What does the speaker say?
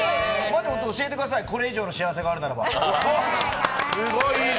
教えてください、これ以上の幸せがあるならば。